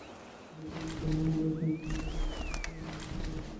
দুইটি মিঠাই মহেন্দ্র নিঃশেূর্বক খাইল–তাহার একটি দানা, একটু গুঁড়া পর্যন্ত ফেলিল না।